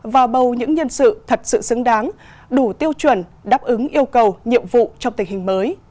và bầu những nhân sự thật sự xứng đáng đủ tiêu chuẩn đáp ứng yêu cầu nhiệm vụ trong tình hình mới